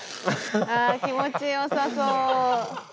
気持ちよさそう。